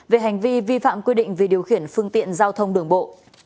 về hành vi vi phạm quy định về điều khiển phương tiện giao thông đường bộ